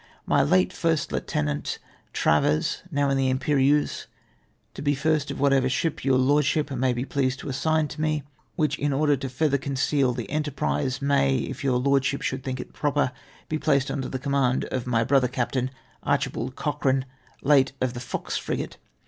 " ]My late first Lieutenant, Travers, now in the Tmperieuse, to be first of whatever ship your Lordship may be pleased to assign to me, which, in order further to conceal the enter imse, may, if your Lordship should think proper, be placed under the command of my brother Captain Archibald Coch rane, late of the Fox frigate.